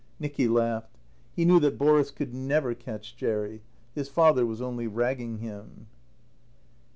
Nicky laughed. He knew that Boris could never catch Jerry. His father was only ragging him.